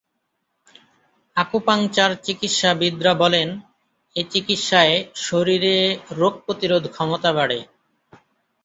Acupuncture চিকিৎসাবিদরা বলেন এ চিকিৎসায় শরীরে রোগ প্রতিরোধ ক্ষমতা বাড়ে।